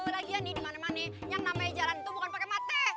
lagian nih dimana mana yang namanya jalan tuh bukan pake mata